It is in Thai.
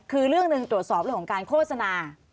คือเรื่องหนึ่งตรวจสอบเรื่องของการโฆษณา